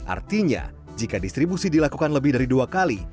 artinya jika distribusi dilakukan lebih dari dua kali